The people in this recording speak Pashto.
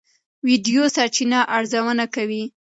ویډیو سرچینه ارزونه کوي.